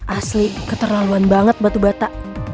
asli keterlaluan banget batu bata